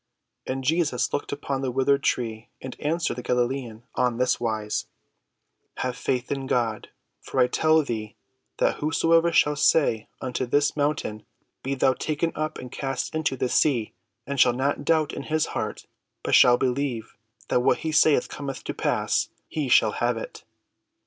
And Jesus looked upon the withered tree and answered the Galilean on this wise: "Have faith in God; for I tell thee that whosoever shall say unto this mountain, Be thou taken up and cast into the sea, and shall not doubt in his heart, but shall believe that what he saith cometh to pass; he shall have it.